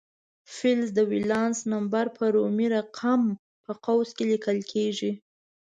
فلز د ولانس نمبر په رومي رقم په قوس کې لیکل کیږي.